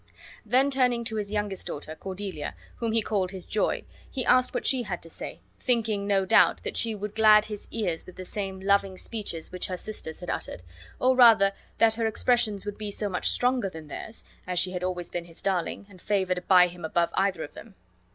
Then turning to his youngest daughter, Cordelia, whom he called his joy, he asked what she had to say, thinking no doubt that she would glad his ears with the same loving speeches which her sisters had uttered, or rather that her expressions would be so much stronger than theirs, as she had always been his darling, and favored by him above either of them.